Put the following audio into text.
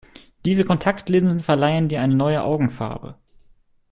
Diese Kontaktlinsen verleihen dir eine neue Augenfarbe.